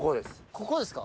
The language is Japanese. ここですか？